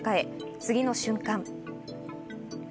次の瞬間。